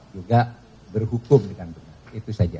juga berhukum dengan benar itu saja